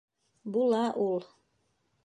Була ул.